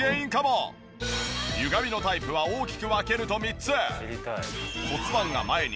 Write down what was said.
ゆがみのタイプは大きく分けると３つ。